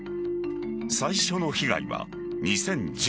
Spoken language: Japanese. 最初の被害は２０１９年